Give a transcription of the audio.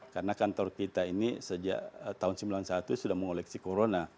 karena kantor kita ini sejak tahun seribu sembilan ratus sembilan puluh satu sudah mengoleksi corona